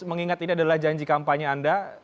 mengingat ini adalah janji kampanye anda